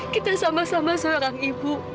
kita sama sama seorang ibu